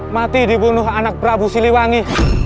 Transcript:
mati dibunuh anak prabu siliwangi